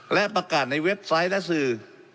และประกาศในเว็บไซต์และสื่อ